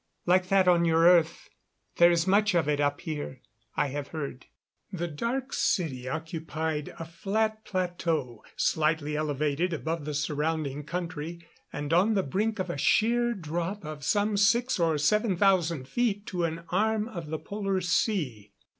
"Like that on your earth. There is much of it up here, I have heard." The Dark City occupied a flat plateau, slightly elevated above the surrounding country, and on the brink of a sheer drop of some six or seven thousand feet to an arm of the polar sea.